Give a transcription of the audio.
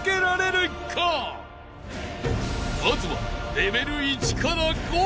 ［まずはレベル１から５］